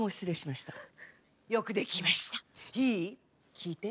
きいて。